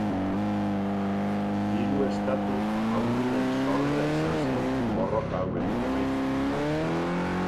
Hiru estatu handiren sorrera izan zen borroka hauen emaitza.